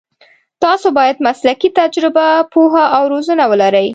تاسو باید مسلکي تجربه، پوهه او روزنه ولرئ.